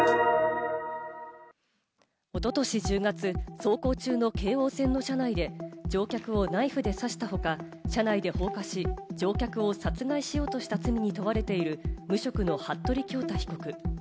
おととし１０月、走行中の京王線の車内で乗客をナイフで刺した他、車内で放火し、乗客を殺害しようとした罪に問われている無職の服部恭太被告。